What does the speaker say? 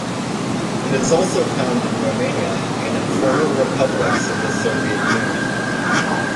It is also found in Romania and in former republics of the Soviet Union.